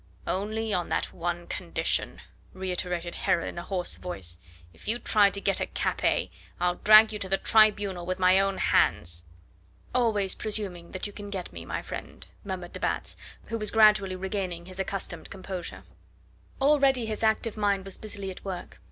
"Only on that one condition," reiterated Heron in a hoarse voice; "if you try to get at Capet, I'll drag you to the Tribunal with my own hands." "Always presuming that you can get me, my friend," murmured de Batz, who was gradually regaining his accustomed composure. Already his active mind was busily at work.